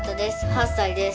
６歳です。